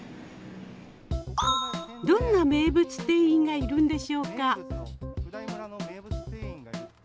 どんな名物店員がいるんでしょうか？